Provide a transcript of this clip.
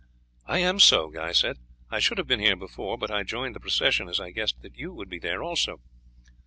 "I am so," Guy said. "I should have been here before, but I joined the procession, as I guessed that you would be there also."